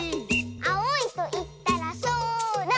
「あおいといったらそら！」